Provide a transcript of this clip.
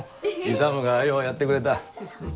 勇がようやってくれた。